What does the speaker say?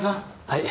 はい。